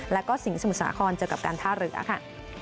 และก็สิงห์สมุดสาขอนเจอกับการท่าเหลือค่ะ